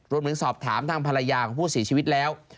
รวมถึงสอบถามทางภรรยาของผู้เสียชีวิตแล้ว